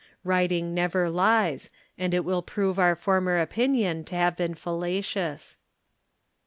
Writing 'never lies, and it will prove our former opinion to have been fallacious.